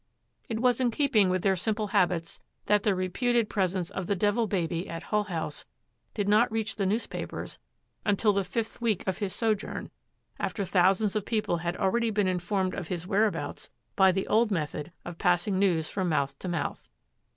It was in keeping with their simple habits that the reputed presence of the Devil Baby at Hull House did not reach the newspapers until the fifth week of his sojourn after thousands of people had already been informed of his whereabouts by the old method of passing news from mouth to mouth.